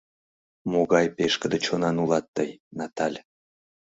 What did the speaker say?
Могай пешкыде чонан улат тый, Наталь.